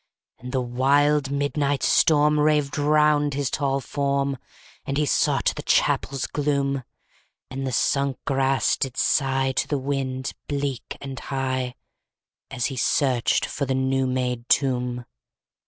11. And the wild midnight storm Raved around his tall form, _60 As he sought the chapel's gloom: And the sunk grass did sigh To the wind, bleak and high, As he searched for the new made tomb.